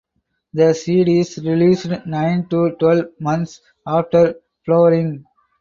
The seed is released nine to twelve months after flowering.